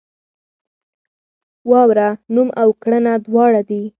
واوره نوم او کړنه دواړه دي.